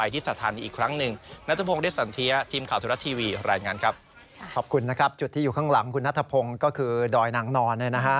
ขอบคุณนะครับจุดที่อยู่ข้างหลังคุณนัทพงศ์ก็คือดอยนางนอน